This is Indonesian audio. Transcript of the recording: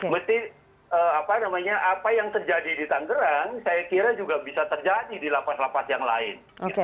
mesti apa namanya apa yang terjadi di tanggerang saya kira juga bisa terjadi di lapas lapas yang lain